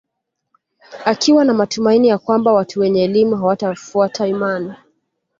Akiwa na matumanini ya kwamba watu wenye elimu hawatafuata imani